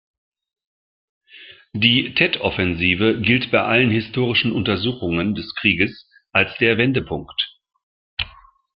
Die Tet-Offensive gilt bei allen historischen Untersuchungen des Krieges als der Wendepunkt.